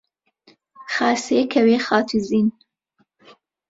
خاسێ، کەوێ، خاتووزین